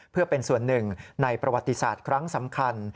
เพื่อเป็นส่วนหนึ่งในประวัติศาสตร์ครั้งสำคัญ